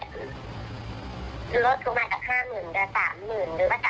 แล้วก็เหลือคนละครึ่ง๒๕๐๐๐เดิมสุดท้ายเขาขอที่๒๐๐๐๐